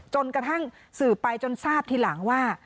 จนกระทั่งสืบไปจนทราบทีหลังว่า